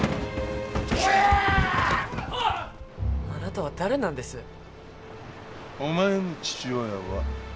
あなたは誰なんです？